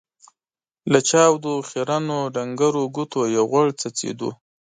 له چاودو، خيرنو ، ډنګرو ګوتو يې غوړ څڅېدل.